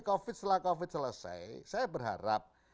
covid setelah covid selesai saya berharap